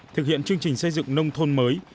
thực hiện chương trình xây dựng nông thôn mới